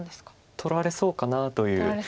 取られそうかなという。